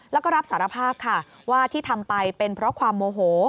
แล้วรับสารภาพว่าที่ทำไปเป็นความโมโห